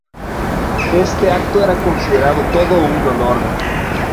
Este acto era considerado todo un honor.